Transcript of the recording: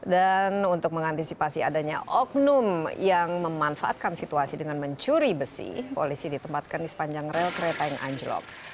dan untuk mengantisipasi adanya oknum yang memanfaatkan situasi dengan mencuri besi polisi ditempatkan di sepanjang rel kereta yang anjlok